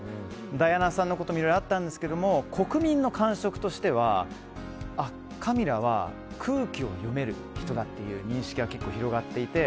ダイアナさんのこともいろいろあったんですが国民の感触としてはカミラは空気を読める人だという認識が結構広がっていて。